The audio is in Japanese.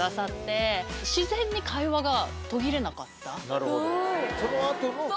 なるほど。